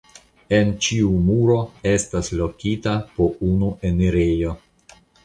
En ĉiu muro estas lokita po unu enirejo.